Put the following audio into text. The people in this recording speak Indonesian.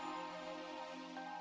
mbak fim mbak ngerasa